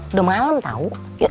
udah malem tau